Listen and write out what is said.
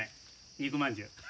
肉まんじゅう。